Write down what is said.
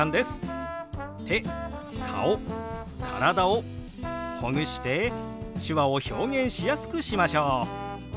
手顔体をほぐして手話を表現しやすくしましょう！